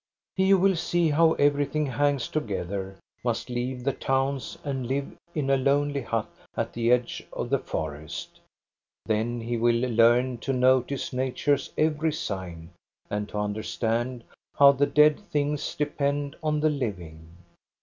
He who will see how everything hangs together must leave the towns and live in a lonely hut at the edge of the forest; then he will iearn to notice nature's every sign and to understand how the dead things depend on the living.